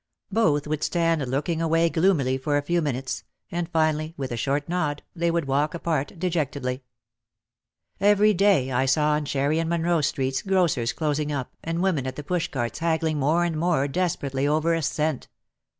Both would stand looking away gloomily for a few minutes and finally with a short nod they would walk apart dejectedly. Every day I saw on Cherry and Monroe Streets grocers closing up and women at the pushcarts haggling more and more desperately over a cent.